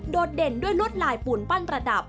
เด่นด้วยลวดลายปูนปั้นประดับ